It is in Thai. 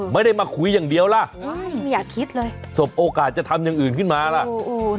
ไม่ได้มาคุยอย่างเดียวล่ะสมโอกาสจะทำอย่างอื่นขึ้นมาล่ะไม่อยากคิดเลย